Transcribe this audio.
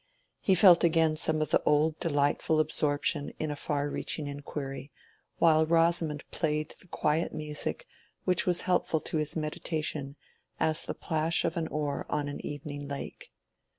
He felt again some of the old delightful absorption in a far reaching inquiry, while Rosamond played the quiet music which was as helpful to his meditation as the plash of an oar on the evening lake.